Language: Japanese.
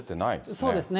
そうですね。